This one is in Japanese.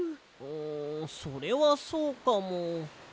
んそれはそうかも。